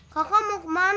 kakak mau kemana